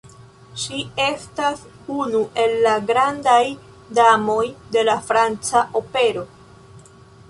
Ŝi estas unu el la grandaj damoj de la franca opero.